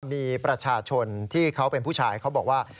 มีประชาชนที่เขาเป็นผู้ชายเขาบอกว่า